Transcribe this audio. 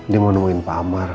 dia mau nemuin pak amar